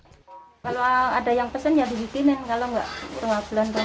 kalau ada yang pesan ya dibikinin kalau enggak